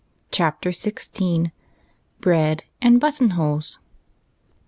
CHAPTER XYL BREAD AND BUTTON HOLES.